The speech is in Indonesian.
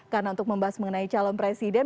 karena untuk membahas mengenai calon presiden